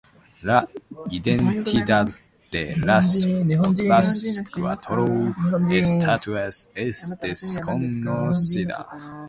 La identidad de las otras cuatro estatuas es desconocida.